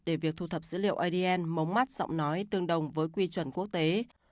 để việc thu thập dữ liệu adn mống mắt giọng nói tương đồng với quy chuẩn quốc tế